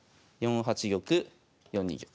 ４八玉４二玉。